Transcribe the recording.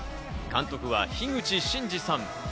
監督は樋口真嗣さん。